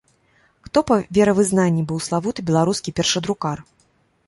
Хто па веравызнанні быў славуты беларускі першадрукар?